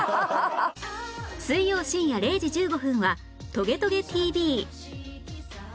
水曜深夜０時１５分は『トゲトゲ ＴＶ』